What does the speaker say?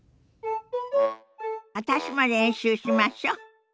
私も練習しましょ。